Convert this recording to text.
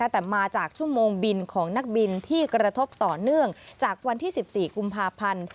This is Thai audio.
แต่มาจากชั่วโมงบินของนักบินที่กระทบต่อเนื่องจากวันที่๑๔กุมภาพันธ์